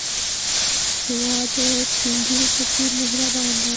هېواد د سیندونو په څېر مهربان دی.